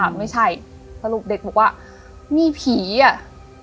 ไม่ใช่สรุปเด็กบอกว่ามีผีอ่ะ